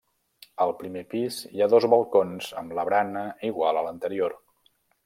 Al primer pis hi ha dos balcons amb la barana igual a l'anterior.